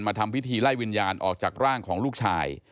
ทำพิธีไล่วิญญาณออกจากร่างของลูกชาย